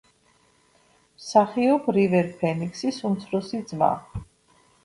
მსახიობ რივერ ფენიქსის უმცროსი ძმა.